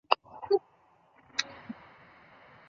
导致丙寅洋扰。